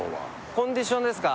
コンディションですか？